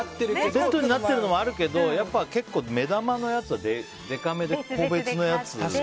セットになってるのもあるけどやっぱり結構目玉のやつでかめで個別のやつ。